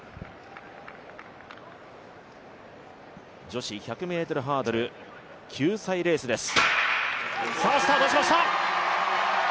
女子１００ｍハードル、救済レースです。